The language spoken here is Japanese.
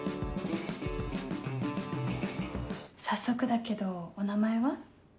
早速だけどお名前は？